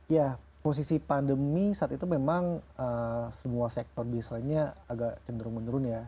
ya posisi pandemi saat itu memang semua sektor bisnis lainnya agak cenderung menurun ya